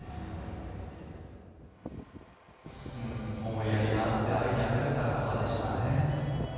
思いやりがあって愛にあふれた方でしたね。